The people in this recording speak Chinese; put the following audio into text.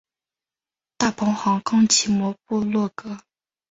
大鹏航空奇摩部落格